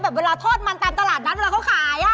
เวลาทอดมันตามตลาดนัดเวลาเขาขาย